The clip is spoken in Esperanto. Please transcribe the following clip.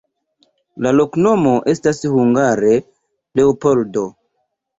La loknomo estas hungare: Leopoldo.